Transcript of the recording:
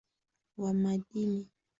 wa madini na ni ile ilipeleka rai